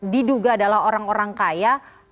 diduga adalah orang orang kaya